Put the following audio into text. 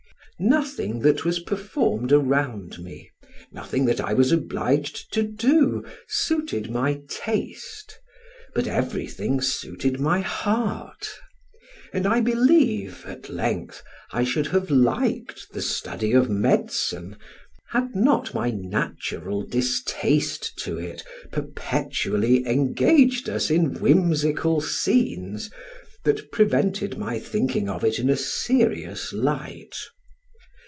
Nothing that was performed around me, nothing that I was obliged to do, suited my taste, but everything suited my heart; and I believe, at length, I should have liked the study of medicine, had not my natural distaste to it perpetually engaged us in whimsical scenes, that prevented my thinking of it in a serious light.